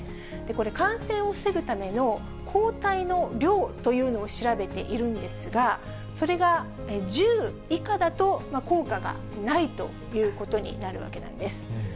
これ、感染を防ぐための抗体の量というのを調べているんですが、それが１０以下だと効果がないということになるわけなんです。